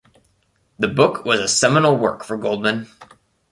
The book was a seminal work for Goldmann.